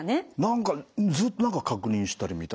何かずっと何か確認したり見たり。